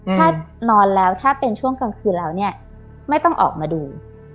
ถ้านอนแล้วถ้าเป็นช่วงกลางคืนแล้วเนี่ยไม่ต้องออกมาดู